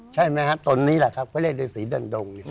ใช่ไหมฮะตนนี้แหละครับเขาเรียกฤษีเดินดง